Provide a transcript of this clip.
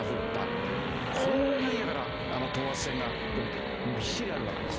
こんなにだから等圧線がびっしりあるわけです。